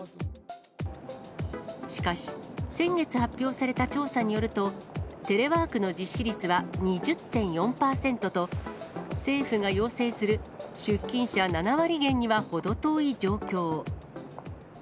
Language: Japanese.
しかし、先月発表された調査によると、テレワークの実施率は２０．４％と、政府が要請する出勤者７割減には程遠い状況。